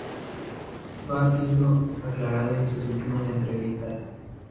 Esto ha sido aclarado en sus últimas entrevistas.